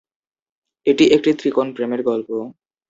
এটি একটি ত্রিকোণ প্রেমের গল্প।